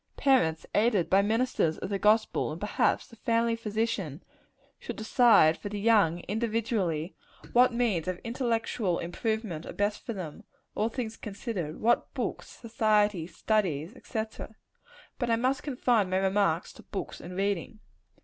Parents, aided by ministers of the gospel, and perhaps the family physician, should decide for the young, individually, what means of intellectual improvement are best for them, all things considered; what books, society, studies, &c. But I must confine my remarks to books and reading.